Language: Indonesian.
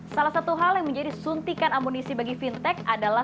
salah satu hal yang menjadi suntikan amunisi bagi fintech adalah